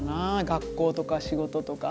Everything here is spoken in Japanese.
学校とか仕事とか。